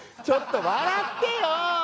ちょっと笑ってよ。